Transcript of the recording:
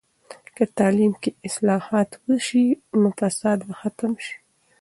که تعلیم کې اصلاحات وسي، نو فساد به ختم سي.